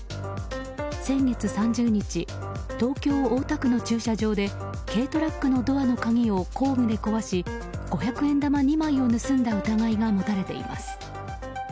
先月３０日東京・大田区の駐車場で軽トラックのドアの鍵を工具で壊し五百円玉２枚を盗んだ疑いが持たれています。